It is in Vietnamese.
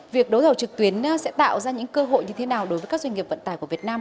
việc đấu thầu trực tuyến sẽ tạo ra những cơ hội như thế nào đối với các doanh nghiệp vận tải của việt nam